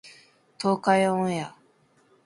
東海オンエア